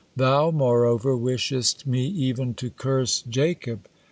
Thou, moreover, wishest me even to curse Jacob.